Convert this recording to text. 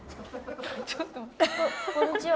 こんにちは。